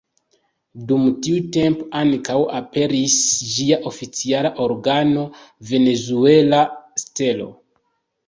Dum tiu tempo ankaŭ aperis ĝia oficiala organo "Venezuela Stelo".